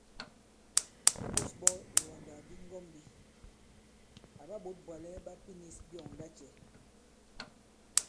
Imbūs ɓɔ̄ ìwàndàkdi ŋgɔ̄mbī, àɓa ɓǒt bwàlɛ ɓa pinīs byɔ̂ŋ lacɛ̄ ?